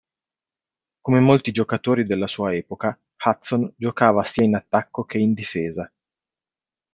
Come molti giocatori della sua epoca, Hutson giocava sia in attacco che in difesa.